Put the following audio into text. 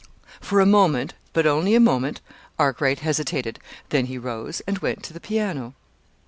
For a moment but only a moment Arkwright hesitated; then he rose and went to the piano.